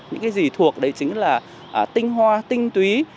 những cái gì thuộc đấy chính là tinh hoa tinh túy